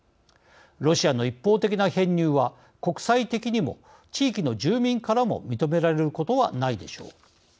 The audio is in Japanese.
ロシアの一方的な編入は国際的にも地域の住民からも認められることはないでしょう。